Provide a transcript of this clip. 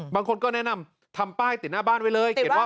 บางคนก็แนะนำทำป้ายติดหน้าบ้านไว้เลย